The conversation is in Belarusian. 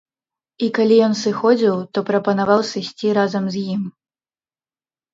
І калі ён сыходзіў, то прапанаваў сысці разам з ім.